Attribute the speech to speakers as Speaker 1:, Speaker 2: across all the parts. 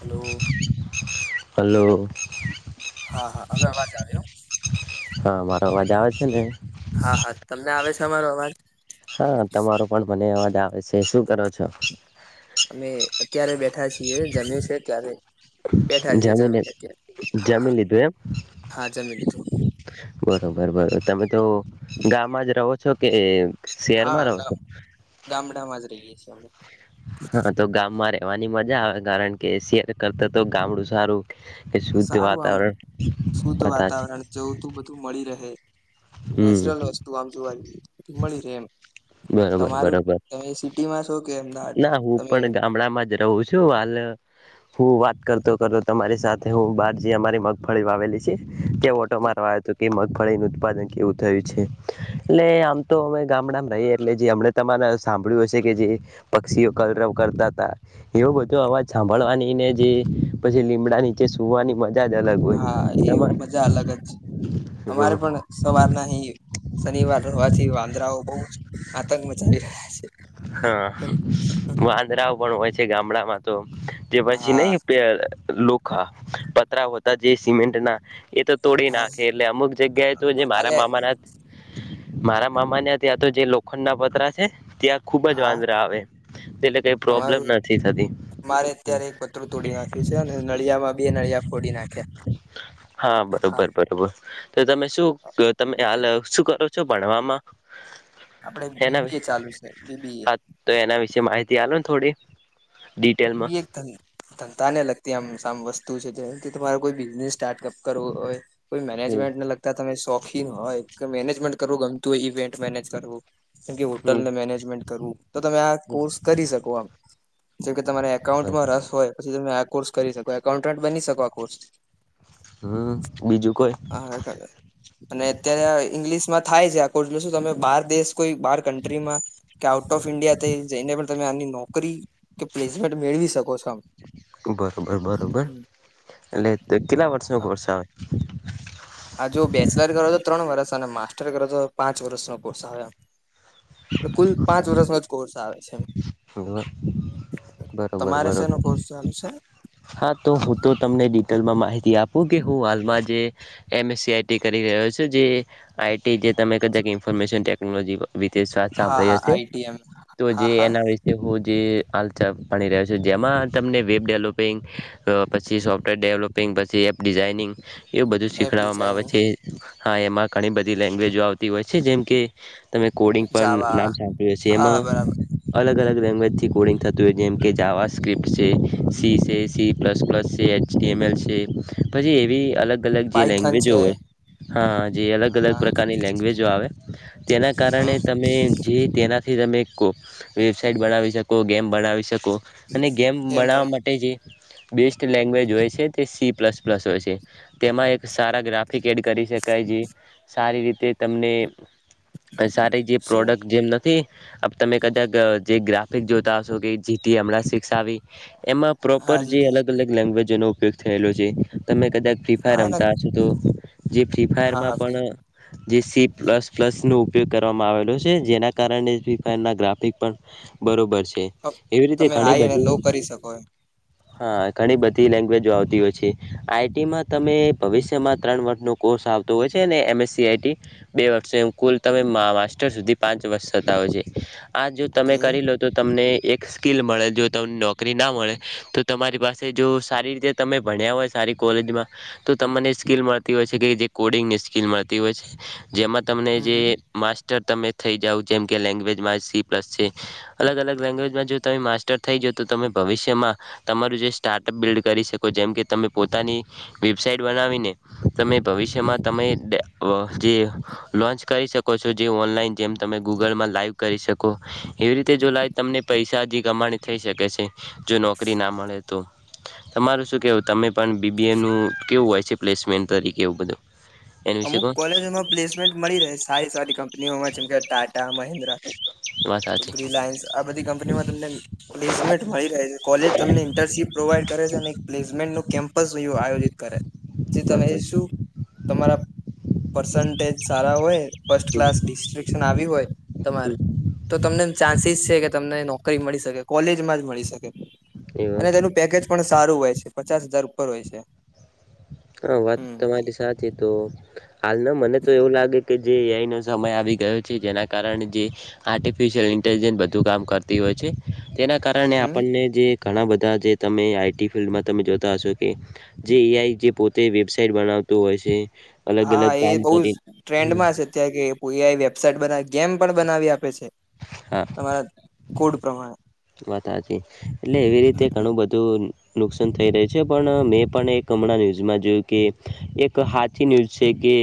Speaker 1: Hello.
Speaker 2: Hello.
Speaker 1: હા હા હવે અવાજ આવ્યો.
Speaker 2: હા મારો અવાજ આવે છે ને?
Speaker 1: હા હા તમને આવે છે અમારો અવાજ?
Speaker 2: હા તમારો પણ મને અવાજ આવે છે. શું કરો છો?
Speaker 1: અમે અત્યારે બેઠ બેઠા છીએ જમી છે ત્યારે બેઠા છીએ જમીને ક્યારે
Speaker 2: જમી લીધું એમ?
Speaker 1: હા, જમી લીધુ.
Speaker 2: બરોબર બરોબર. તમે તો ગામમાં જ રહો છો કે?
Speaker 1: હા
Speaker 2: શહેરમાં રહો છો
Speaker 1: ગામ ગામડામ જ રહીએ છીએ અમે.
Speaker 2: હા તો ગામમાં રેવાની મજા આવે કારણ કે શેર કરતા તો ગામડું સારું. કે શુદ્ધ
Speaker 1: સારું
Speaker 2: વાતાવરણ બધાથી.
Speaker 1: જવું તું બધું મળી રહે
Speaker 2: હમ
Speaker 1: નેચરલ વસ્તુ આમ જોવા જઈએ મળી રહે એમ.
Speaker 2: બરોબર બરોબર.
Speaker 1: માં છો કે અમદાવાદ
Speaker 2: ના હું
Speaker 1: તમે?
Speaker 2: પણ ગામડામાં જ રહું છું હાલ હું વાત કરતો કરતો તમારી સાથે હું બાર જે અમારી મ મગફળી વાવેલી છે તે ઓટો મારવાયો હતો કે મગફળીનું ઉત્પાદન કેવું થયુ છે એટલે આમ તો અમે ગામડામાં રહીએ એટલે જે અમ તમારે સાંભળ્યું હશે કે જે. પક્ષીઓ કલરવ કરતા તા. એવો બધો અવાજ સાંભળવાની ને જે પછી લીમડા નીચે સુવાની મ જા જ અલગ હોય
Speaker 1: હા એ
Speaker 2: તમાર
Speaker 1: મજા અલગ જ છે અમારે
Speaker 2: હા.
Speaker 1: પણ સવારના અહીં શનિવાર હોવાથી વાંદરાઓ બહુ જ આતંક મચાવી રહ્યા છે.
Speaker 2: હા, વાંદરાઓ પણ હોય છે ગામડામાં તો. તે પછી
Speaker 1: હા
Speaker 2: નઈ પેલ લોખા પતરા હતા જે સિમેન્ટના એ તો. તોડી
Speaker 1: હા
Speaker 2: નાખે એટલે અમુક જગ્યાએ તો જે મારા
Speaker 1: અરે
Speaker 2: મામાના મારા મામાને ત્યાં તો જે લોખંડના પતરા છે. ખૂબ જ
Speaker 1: હા
Speaker 2: વાંદરા આવે એટલે કઈ પ્રોબ્લેમ
Speaker 1: અમારું
Speaker 2: નથી થતી.
Speaker 1: મારે અત્યારે એક પત્રુ તોડી નાખ્યું છે અને નળિયામાં બે નળિયા ફોડી નાખ્યા.
Speaker 2: હા, બરોબર બરોબર તો તમે શું ક તમે હાલ શું કરો છો ભણવામાં?
Speaker 1: આપડે
Speaker 2: એના
Speaker 1: બીબીએ ચાલુ છે બીબીએ.
Speaker 2: હા તો એના વિશે માહિતી આલો થોડી.
Speaker 1: બી
Speaker 2: ડિટેલમાં
Speaker 1: બી એકતાની. ધંધાને લગતી આમ સામ વસ્તુ છે જેથી તમારે કોઈ બિઝનેસ સ્ટાર્ટઅપ કરવો હોય. કોઈ
Speaker 2: હમ
Speaker 1: મેનેજમેન્ટને લગતા તમે શોખીન હોય મેનેજમેન્ટ કરવું ગમતું હોય ઇવેન્ટ મેનેજ કરવું. જેમ કે હોટલને
Speaker 2: હમ
Speaker 1: મેનેજમેન્ટ કરવું તો તમે આ કોર્સ કરી શકો આમ. જો કે તમારે એકાઉન્ટમાં રસ હોય પછી તમે આ કોર્સ કરી શકો એકાઉન્ટન્ટ બની શકો આ કોર્સથી.
Speaker 2: હમ, બીજું કઈ?
Speaker 1: [unintelligible] અને અત્યારે આ ઈંગ્લિશમાં થાય છે આ કોર્ષનું શું તમે બાર દેશ કોઈ બાર કન્ટ્રીમાં કે આઉટ ઓફ ઈન્ડિયા થઈ જઈને પણ તમે આની નોકરી કે પ્લેસમેન્ટ મેળવી શકો છો આમ.
Speaker 2: બરોબર બરોબર એટલે તે કેટલા વર્ષનો કોર્ષ આવે?
Speaker 1: આ જો બેચલર કરો તો ત્રણ વર્ષ અને માસ્ટર કરો તો પાંચ વર્ષનો કોર્સ આવે આમ. કુલ પાંચ વર્ષનો જ કોર્સ આવે છે એમ.
Speaker 2: આવે બરોબર
Speaker 1: તમારે શેનો
Speaker 2: બરોબર
Speaker 1: કોર્સ ચાલે છે?
Speaker 2: હા તો હું તો તમને ડિટેલમાં માહિતી આપું કે હું હાલમાં જે એમએસસી આઈટી કરી રહ્યો છે જે આઈટી જે તમે કદા ઇન્ફોર્મેશન ટેકનોલોજી ક વિતેષ વાત
Speaker 1: હા
Speaker 2: સાંભળી
Speaker 1: હા
Speaker 2: હશે
Speaker 1: આઈટીએમ
Speaker 2: તો
Speaker 1: હા
Speaker 2: જે
Speaker 1: હા
Speaker 2: એના વિ એવો જે હાલચાલ ભણી રહ્યો છે જેમાં તમને વેબ ડેવલોપ પછી સોફ્ટવેર ડેવલોપિંગ પછી એપ ડિઝાઇનિંગ. એવું બધું
Speaker 1: એપ
Speaker 2: શીખડવામાં આવે
Speaker 1: ડિઝાઇનિંગ
Speaker 2: છે હા, એમાં ઘણી બધી લેંગ્વેજો આવતી હોય છે જેમ કે તમે કોડિંગ પણ
Speaker 1: જાવા
Speaker 2: નામ સાંભળ્યું હશે
Speaker 1: હા બરાબર
Speaker 2: એમાં અલગ અલગ લેંગ્વેજથી કોડિંગ થતું હોય જેમ કે જાવા સ્ક્રિપ્ટ છે. સીસેસી પ્લસ પ્લસ છે એચડીએમ એલ છે પછી એવી અલગ અલગ જે
Speaker 1: પાયથન
Speaker 2: લેંગ્વેજો
Speaker 1: છે
Speaker 2: હોય હા જે અલગ અલગ
Speaker 1: હા
Speaker 2: પ્રકારની લેંગ્વેજો આવે. તેના કારણે
Speaker 1: હા
Speaker 2: તમે જે તેનાથી તમે કો વેબસાઇટ બનાવી શકો, ગેમ બનાવી શકો અને ગેમ
Speaker 1: એમ બને
Speaker 2: બનાવા માટ બેસ્ટ લેંગ્વેજ હોય છે તે સી પ્લસ પ્લસ હોય છે. તેમાં એક સારા ગ્રાફિક એડ કરી શકાય છે સારી રીતે તમને. આ સારી જે
Speaker 1: શું
Speaker 2: પ્રોડક્ટ જેમ નથી. અપ તમે કદાક જે ગ્રાફિક જોતા હશો કે જીટી હમણાં સિક્સ આવી એમાં
Speaker 1: હા
Speaker 2: પ્રોપર જે
Speaker 1: જીટી
Speaker 2: અલગ અલગ લેંગ્વેજનો ઉપયોગ થયેલો છે તમે કદાક ફ્રી ફાયર
Speaker 1: હા એના
Speaker 2: રમતા હશો તો. જે ફ્રી
Speaker 1: હા હા
Speaker 2: ફાયરમાં
Speaker 1: ફ્રી
Speaker 2: પણ જે સી પ્લસ પ્લસ નો ઉપયોગ કરવામાં આવેલો છે જેના કારણે ફ્રી ફાયરનાં ગ્રાફિક પણ બરોબર છે. એવી રીતે ઘણી બધી.
Speaker 1: ત કોઈ.
Speaker 2: હા, ઘણી બધી લેંગ્વેજો આવતી હોય છે આઈટીમાં તમે ભવિષ્યમાં ત્રણ વર્ષનો કોર્સ આવતો હોય છે અને એમ એસસીઆઈટી બે વર્ષ કુલ તમે માર સુધી પાંચ વર્ષ થતા હોય છે. આ જો તમે
Speaker 1: કે
Speaker 2: કરી
Speaker 1: હમ
Speaker 2: લો તો તમને એક સ્કીલ મળે જો તમને નોકરી ના મળે તો તમારી પાસે જો સારી રીતે તમે ભણ્યા હોય સારી કોલેજમાં તો તમને સ્કીલ મળતી હોય છે કે જે કોડિંગની સ્કીલ મળતી હોય છે. જેમાં તમને જે
Speaker 1: હમ
Speaker 2: માસ્ટર તમે થઈ જાઓ જેમ કે લેંગ્વેજમાં સી પ્લસ છે. અલગ અલગ લેંગવેજમાં જો તમે માસ્ટર થઈ જવ તો તમે ભવિષ્યમાં તમારું જે સ્ટાર્ટઅપ બિલ્ડ કરી શકો જેમ કે તમે પોતાની વેબસાાઈટ બનાવીને તમે
Speaker 1: હમ
Speaker 2: ભવિષ્યમાં તમે જે લોન્ચ કરી શકો છો જે ઓનલાઈન જેમ તમે ગૂગલમાં લાઈવ કરી શકો. એવી રીતે જો લ તમને પૈસા હજી કમાણી થઈ શકે છે જો નોકરી ના મળે તો. તમારું શું કેહેવું તમે પણ બીબીએનું કેવું હોય છે પ્લેસમેન્ટ તરીકે એવું બધું એના વિશે
Speaker 1: અમુક
Speaker 2: કોણ
Speaker 1: કોલેજોમાં પ્લેસમેન્ટ મળી રહે સારી સારી કંપનીઓમાં જેમ કે ટાટા મહેન્દ્ર
Speaker 2: વાત સાચી
Speaker 1: રિલાયન્સ આ બધી કંપનીમાં તમને પ્લેસમેન્ટ મળી રહે છે કોલેજ તમને ઇન્ટર્નશીપ પ્રોવાઈડ કરે છે અને પ્લેસમેન્ટનું કેમ્પસ આયોજિત કરે. જે તમે શું તમારા પરસનટેજ સારા હોય ફર્સ્ટ ક્લાસ ડિસ્ટ્રશન આવી હોય
Speaker 2: હમ
Speaker 1: તમારે તો તમને ચાન્સીસ છે કે તમને નોકરી મળી શકે કોલેજમાં જ મળી શકે.
Speaker 2: એવ
Speaker 1: અને તેનું પેકેજ પણ સારું હોય છે પચાસ હજાર ઉપર હોય છે.
Speaker 2: હા વાત
Speaker 1: હમ
Speaker 2: તમારી સાચી તો હાલમાં મને તો એવું લાગે કે જે એઆઈનો સમય આવી ગયો છે જેના કારણે જે આર્ટિફિશયલ ઇન્ટેલિજન્સ બધું કામ કરતી હોય છે તેના
Speaker 1: હમ
Speaker 2: કારણે
Speaker 1: હમ
Speaker 2: આપણને જે ઘણા બધા જે તમે આઈટી ફિલ્ડમાં તમે જોતા હશો કે જે એ આઈ જે પોતે વેબસાઇટ બનાવતું હોય છે. અલગ
Speaker 1: હા
Speaker 2: અલગ
Speaker 1: એ
Speaker 2: કામ
Speaker 1: બોવ જ
Speaker 2: કરી
Speaker 1: ટ્રેન્ડ
Speaker 2: હમ
Speaker 1: માં છે. કે એઆઈ વેબસાાઈટ બનાવે ગેમ પણ બનાવી આપે છે.
Speaker 2: હા.
Speaker 1: કોડ પ્રમાણે
Speaker 2: વાત હાચી એટલે એવી રીતે ઘણું બધું નુકસાન થઈ રહ્યું છે પણ મેં પણ એક હમણાં ન્યૂઝમાં જોયું કે એક હાથ થી ન્યૂઝ છે કે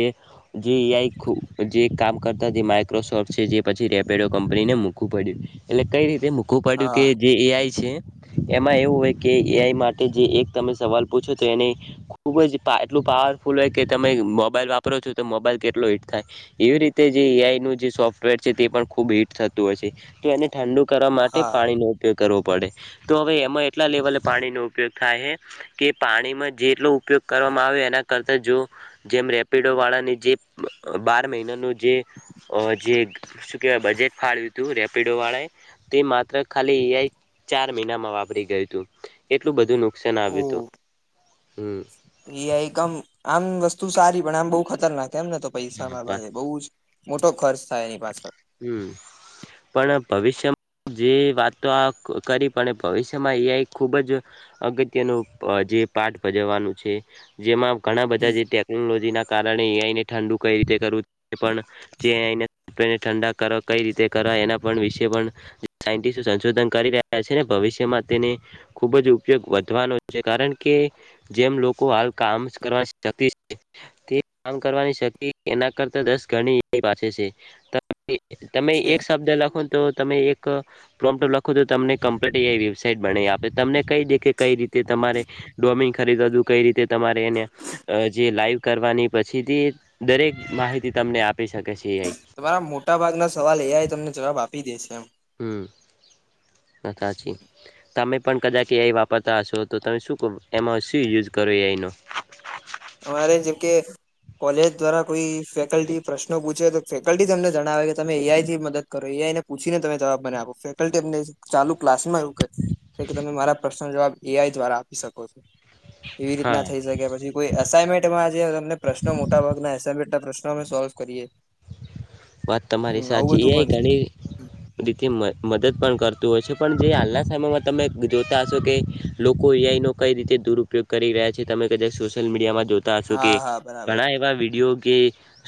Speaker 2: જે એઆઈ જે કામ કરતા જે માઈક્રોસોફ્ટ છે જે પછી રેપીડો કંપનીને મોઘું પડ્યું. એટલે કઈ રીતે મૂકવું પડ્યું કે
Speaker 1: હા
Speaker 2: જે એઆઈ છે એમાં એવું હોય કે એઆઈ માટે જે એક તમે સવાલ પૂછો તો એને ખુબ જ એટલું પાવરફુલ હોય કે તમે મોબાઈલ વાપરો છો તો મોબાઈલ કેટલો હીટ થાય. એવી રીતે જે એઆઈ નું જે સોફ્ટવેર છે તે પણ ખૂબ હીટ થતું હોય છે તો એને ઠંડુ કરવામાં તે
Speaker 1: હા
Speaker 2: પાણીનો ઉપયોગ કરવો પડે તો હવે એમાં એટલા લેવલે પાણીનો ઉપયોગ થાય હે કે પાણીમાં જેટલો ઉપયોગ કરવામાં આવે એના કરતા જો જેમ રેપિડોવાળાની જે બાર મહિનાનું જે જે શું કહેવાય બજેટ ફાળવ્યું હતું રેપિડોવાળાએ તે મા માત્ર ખાલી એઆઈ ચાર મહિનામાં વાપરી ગયું હતું એટલું બધું નુકસાન
Speaker 1: ઓ
Speaker 2: આવ્યું તું. હમ.
Speaker 1: એઆઈ એકમ આમ વસ્તુ સારી પણ આમ બહુ ખતરનાક એમને તો પૈસા બાબતે બોવ જ મોટો ખર્ચ થાય એની પાછળ.
Speaker 2: હમ પણ ભવિષ્યમાં જે વાતો કરી પણ ભવિષ્યમાં એઆઈ ખૂબ જ અગત્યનું જે પાઠ ભજવવાનું છે જેમાં ઘણા બધા
Speaker 1: હમ
Speaker 2: જે ટેકનોલોજીના કારણે અને ઠંડુ કઈ રીતે કરવું પણ જે ઠંડા કરો કઈ રીતે કરવા એના પણ વિશે પણ સાયન્ટિસો સંશોધન કરી રહ્યા છે ને ભવિષ્યમાં તેને ખુબ જ ઉપયોગ વધવાનો છે કારણ કે જેમ લોકો હાલ કામ કરવા [unintelligible] છે તે કામ કરવાની શક્તિ એના કરતા દસ ગણી પાછ છે તમે
Speaker 1: છે
Speaker 2: એક શબ્દ લખો તો તમે એક પ્રોમોટ લખો તો તમને કમ્પલેટ વેબસાાઈટ બનાય આપે તમને કઈ દે કઈ રીતે તમારે ડોમિન ખરીદવા હતું કઈ રીતે તમારે એને જે લાઈવ કરવાની પછીથી દરેક માહિતી તમને આપી શકે છે.
Speaker 1: મોટાભાગના સવાલ એયા એ તમને જવાબ આપી દે છે એમ
Speaker 2: હમ વાત હાચી. તમે પણ કદાચ એં વાપરતા હશો તો તમે શું કો એમાં શું યુઝ કરો એનો
Speaker 1: અમારે જબ કે કોલેજ દ્વારા કોઈ ફેકલ્ટી પ્રશ્નો પૂછે તો ફેકલ્ટી તમને જણાવે કે તમે એઆઈ થી મદ કરો એઆઈ પૂછી ને તમે જવાબ મને આપો ફેકલ્ટી અમને ચાલુ ક્લાસમાં એવું કે કે તમે મારા પ્રશ્ન જવાબ એઆઈ દ્વારા આપી શકો છો એવી રીતના
Speaker 2: હા
Speaker 1: થઈ શકે પછી કોઈ અસાાઈનમેન્ટમાં પ્રશ્નો મોટા ભાગના એમેન્ટ ના પ્રશ્નો અમે સોલ્વ કરીએ
Speaker 2: વાત તમારી
Speaker 1: હમ આવું
Speaker 2: સાચી
Speaker 1: બધું
Speaker 2: હ
Speaker 1: પણ છે
Speaker 2: ઘણી રીતે મ મદદ પણ કરતું હોય છે પણ જે હાલના સમયમાં તમે જોતા હશો કે લોકો એઆઈનો કઈ રીતે દુરુપયોગ કરી રહ્યા છે ત કાક સોશિયલ મીડિયામાં જો કે
Speaker 1: હા હા બરાબર
Speaker 2: ઘણા એવા વિડીયો જે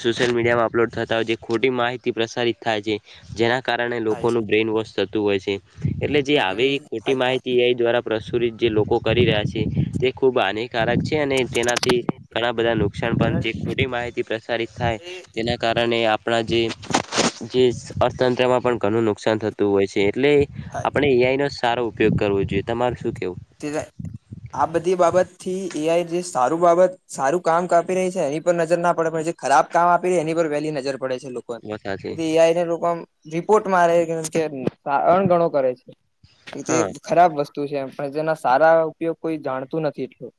Speaker 2: સોશિયલ મીડિયામાં અપલોડ થતા હોય ખોટી માહિતી પ્રસારિત થાય છે જેના કારણે
Speaker 1: થાય છે
Speaker 2: લોકોનું બ્રેઇન વોશ થતું હોય છે એટલે જે આવે
Speaker 1: હમ
Speaker 2: એ ખોટી
Speaker 1: થાય થાય
Speaker 2: માહિતી એ દ્વારા પ્રસુરિત જે લોકો કરી રહ્યા છે તે ખૂબ હાનિકારક છે અને તેનાથી ઘણા બધા નુકસાન પણ જે
Speaker 1: તેનાથી
Speaker 2: ખોટી માહિતી પ્રસારિત થાય તેના કારણે આપણા જે જે અર્થતંત્રમાં પણ ઘણું નુકસાન થતું હોય છે એટલે આપણે એઆઈ નો સારો ઉપયોગ કરવો જોઈએ તમાર શું કેવું
Speaker 1: તે આ બધી બાબત થી એઆઈ જે સારું બાબત સારું કામ કાપી રહી છે એની પર નજર ના પડે પણ જે ખરાબ કામ આપી રહી એની પર વહેલી નજર પડે
Speaker 2: સાથે
Speaker 1: છે એઆઈ ને લોકો રિપોર્ટ મારે કે સણ ગણો કરે છે કે તે
Speaker 2: હા
Speaker 1: ખરાબ વસ્તુ છે એમ પણ જેના સારા ઉપયોગ કોઈ જાણતું નથી એટલું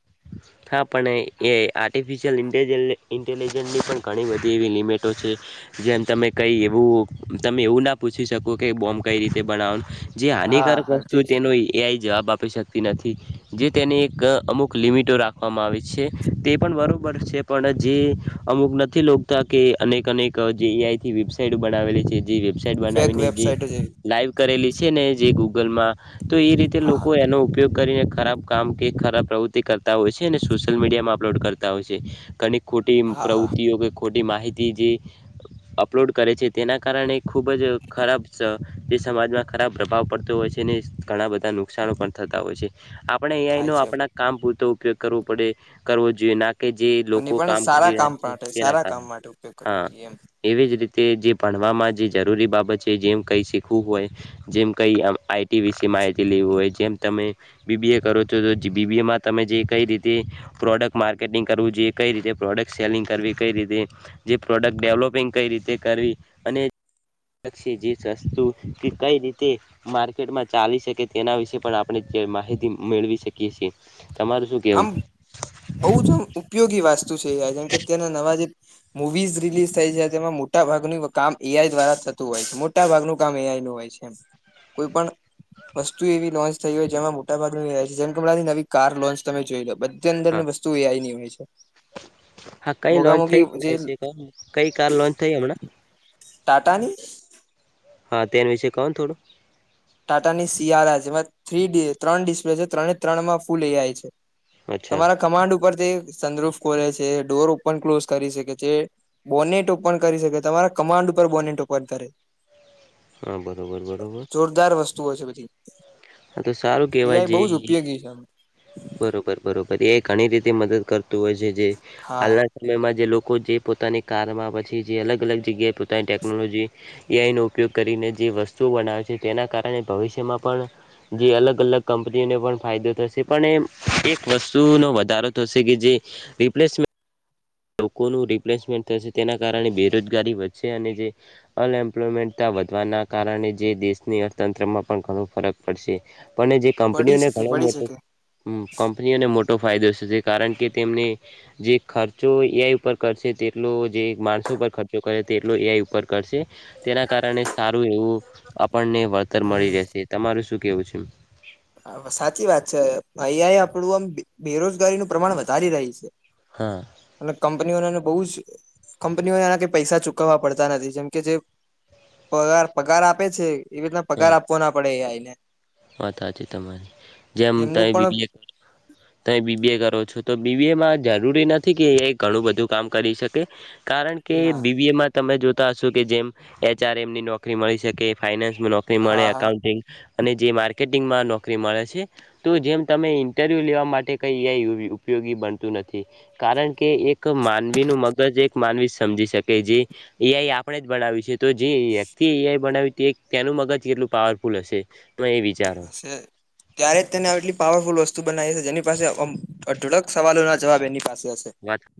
Speaker 2: હ હા પણ એ આર્ટિફિશિયલ ઇન્ટજ ઇન્ટેલિજન્સની પણ ઘણી બધી એવી લિમિટો છે જેમ તમે કઈ એવું તમે એવું ના પૂછી શકો કે બોમ્બ કઈ રીતે બનાવનું જે
Speaker 1: હા
Speaker 2: હાનિકારક
Speaker 1: હા તે
Speaker 2: વસ્તુ
Speaker 1: છે
Speaker 2: તેનો એઆઈ જવાબ આપી શકતી નથી જે તેને એક અમુક લિમિટો રાખવામાં આવે છે તે પણ બરાબર છે પણ જે અમુક નથી લો કે અનેકક જેઆઈથી વેબસાઇટ બનાવેલી છે જે વેબસાઇટ
Speaker 1: ફેક
Speaker 2: બનાવીને જે
Speaker 1: વેબસાઇટો જેવી
Speaker 2: લાઈવ કરેલી છે ને જે ગૂગલમાં તો એ રીતે
Speaker 1: હા હા
Speaker 2: લોકો એનો ઉપયોગ કરીને ખરાબ કામ કે ખરાબ પ્રવૃતિ કરતા હોય છે અને સોશિયલ મીડિયામાં અપલોડ કરતા હોય છે ઘ ખોટી
Speaker 1: હા હા
Speaker 2: પ્રવૃત્તિઓ કે ખોટી માહિતી જે અપલોડ કરે છે તેના કારણે ખૂબ જ ખરાબ જે સમાજમાં ખરાબ પ્રભાવ પડતો હોય છે ને ઘણાં બધા નુકસાણો પણ થતાં હોય છે. આપણે અંઈ
Speaker 1: થાય
Speaker 2: નો
Speaker 1: છે
Speaker 2: આપણા કામ પૂરતો ઉપયોગ કરવો પડે કરવો જોઈએ ના કે જે
Speaker 1: અને
Speaker 2: લોકો
Speaker 1: પણ
Speaker 2: કામ
Speaker 1: સારા
Speaker 2: કરી રહ્યા છે
Speaker 1: માટે
Speaker 2: તેના
Speaker 1: સારા કામ
Speaker 2: કારણે
Speaker 1: માટે ઉપયોગ કરવો
Speaker 2: હા
Speaker 1: જોઈએ એમ
Speaker 2: એવી જ રીતે જે ભણવામાં જે જરૂરી બાબત છે જેમ કઈ શીખવું હોય જેમ કઈ આઈટી વિશે માહિતી લેવું હોય જેમ તમે બીબીએ કરો છો તો બીબીમાં તમે જે કઈ રીતે પ્રોડક્ટ માર્કેટિંગ કરવું જોઈએ કઈ રીતે પ્રોડક્ટ સેલિંગ કરવી કઈ રીતે જે પ્રોડક્ટ ડેવલોપિંગ કઈ રીતે કરવી અને લક્ષી જેી જસ્તું કે કઈ રીતે માર્કેટમાં ચાલી શકે તેના વિશે પણ આપણે જે માહિતી મેળવી શકીએ છીએ તમારું શું કેવું
Speaker 1: બઉુ જ ઉપયોગી વાસ્તુ છે, [unintelligible] જેમ કે અત્યના નવા જે મુવીઝ રિલીઝ થઈ જાય, તેમાં મોટા ભાગની વકામ એઆઈ દ્વારા થતું હોય છે. મોટ મોટા ભાગનું કામ એઆઈ નું હોય છે એમ. કોઈ પણ વસ્તુ એવી લોન્ચ થઈ હોય જેમાં મોટાભાગ [unintelligible] જેમ કે હમણાં નવી કાર લોન્ચ તમે જોઈ લો બધી અંદર
Speaker 2: હા
Speaker 1: ની વસ્તુ એઆઈ ની હોય છે.
Speaker 2: હા, કઈ
Speaker 1: મોઘા
Speaker 2: લોન
Speaker 1: મોઘી
Speaker 2: થઈ
Speaker 1: જે
Speaker 2: તના વિશે કઈ કાર લોન થઈ હમણાં
Speaker 1: ટાટાની
Speaker 2: હા, તેન વિશે કહો થોડું?
Speaker 1: ટાટા ની સીઆાર આ જેમાં થ્રીડી ત્રણ ડિસ્પ્લે છે ત્રણે ત્રણમાં ફૂલ એઆઈ છે.
Speaker 2: અચ્છા
Speaker 1: તમારા કમાન્ડ ઉપર તે સંદ્રુફ ખોલે છે. ડોર ઓપન ક્લોઝ કરી શકે છે. બોનેટ ઓપન કરી શકે તમારા કમાન્ડ ઉપર બોનેટ ઓપન કરે.
Speaker 2: હા, બરોબર બરોબર!
Speaker 1: [unintelligible] વસ્તુઓ છે બધી
Speaker 2: હા તો સારું
Speaker 1: એ
Speaker 2: કેહેવાય
Speaker 1: આઇ
Speaker 2: જે
Speaker 1: બહુ જ ઉપયોગી છે એમ!
Speaker 2: બરોબર, બરોબર એ ઘણી રીતે મદદ કરતું હોય છે જે
Speaker 1: હા
Speaker 2: હાલના [unintelligible] માં જે લોકો જે પોતાની કારમાં પછી જે અલગ અલગ જગ્યાએ પોતાની ટેકનોલોજી એઆઇ નો ઉપયોગ કરીને જે વસ્તુઓ બનાવે છે તેના કારણે ભવિષ્યમાં પણ જે અલગ-અલગ કંપનીને પણ ફાયદો થશે. પણ એમ એક વસ્તુનો વધારો થશે કે જે રીપ્લેસમેં લોકોનું રિપ્લેસમેન્ટ થશે તેના કારણે બેરોજગારી વધશે અને જે અનએમ્પ્લોયમેન્ટતા વધવાના કારણે જે દેશની અર્થતંત્રમાં પણ ઘણો ફરક પડશે. પણ એ જે
Speaker 1: પડી
Speaker 2: કંપનીઓને
Speaker 1: શકે
Speaker 2: ઘણો
Speaker 1: પડી
Speaker 2: મોટો
Speaker 1: શકે
Speaker 2: કંપનીઓને મોટો ફાયદો છે કારણ કે તેમને જે ખર્ચ ર્ચો એઆઈ ઉપર કરશે તેટલો જે માણસો પર ખર્ચો કરે તેટલો એઆઈ ઉપર કરશે તેના કારણે સારું એવું આપણને વળતર મળી રહેશે તમારું શું કેવું છે?
Speaker 1: હા સાચી વાત છે એઆઇ આપડું આમ બેરોજગારીનું પ્રમાણ વધારી રહી છે.
Speaker 2: હા.
Speaker 1: અને કંપનીઓનેને બહુ જ કંપનીઓએ એના પૈસા ચૂકવવા પડતા નથી જેમ કે જે પગાર પગાર આપે છે એવી રીતના
Speaker 2: એ
Speaker 1: પગાર આપવો ના પડે એ આઇ ને.
Speaker 2: વાત હાચી તમારી જેમ
Speaker 1: તેમનું
Speaker 2: થાઈ બી
Speaker 1: પણ
Speaker 2: બી એ. તમે બી. બી. એ કરો છો તો બી. બી. એ માં જરૂરી નથી કે એઆઈ ઘણું બધું કામ કરી શકે. કારણ કે
Speaker 1: ના
Speaker 2: બી. બી. એ માં તમે જોતા હશો કે જેમ એચ આર એમ ની નોકરી મળી શકે ફાઈનાન્સમાં નોક નોકરી મળે
Speaker 1: હા હા
Speaker 2: એકાઉન્ટિંગ અને જે માર્કેટિંગમાં નોકરી મળે છે. તો જેમ તમે ઇન્ટરવ્યુ લેવા માટે કઈ એઆઈ ઉપયોગી બનતું નથી. કારણ કે એક માનવી નું મગજ એક માનવી સમજી શકે જે એઆઈ આપણે જ બનાયું છે તો જે વ્યક્તિ બનાયું તેનું મગજ કેટલું પાવરફુલ હશે? તમે એ વિચારો
Speaker 1: [unintelligible] ત્યારે જ તેને આટલી પાવરફુલ વસ્તુ બનાવી હશે જેની પાસે અઢળક સવાલો ના જવાબ એની પાસે હશે.
Speaker 2: વાત